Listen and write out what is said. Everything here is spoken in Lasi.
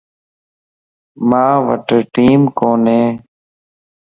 مان وٽ ٽيم ڪوني